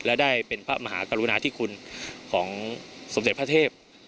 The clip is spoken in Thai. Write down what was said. และได้เป็นพระมหากรุณาธิคุณของสมเด็จพระเทพ